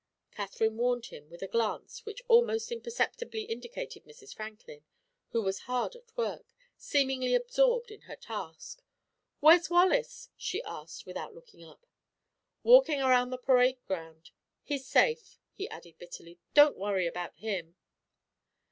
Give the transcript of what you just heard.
Katherine warned him with a glance which almost imperceptibly indicated Mrs. Franklin, who was hard at work, seemingly absorbed in her task. "Where's Wallace?" she asked, without looking up. "Walking around the parade ground. He's safe," he added bitterly; "don't worry about him."